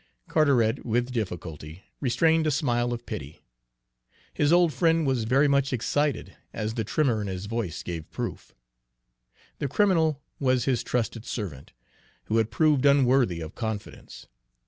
Carteret with difficulty restrained a smile of pity. His old friend was very much excited, as the tremor in his voice gave proof. The criminal was his trusted servant, who had proved unworthy of confidence.